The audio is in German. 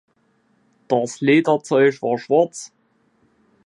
Das Lederzeug war schwarz.